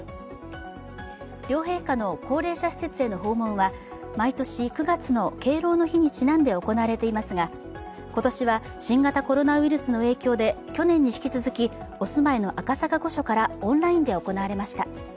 両陛下の高齢者施設への訪問は毎年９月の敬老の日にちなんで行われていますが今年は新型コロナウイルスの影響で去年に引き続きお住まいの赤坂御所からオンラインで行われました。